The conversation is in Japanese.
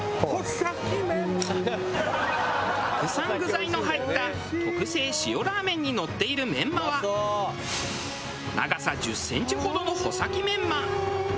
たくさん具材の入った特製塩ラーメンにのっているメンマは長さ１０センチほどの穂先メンマ。